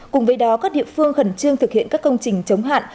cùng với đó các địa phương khẩn trương thực hiện các công trình chống hạn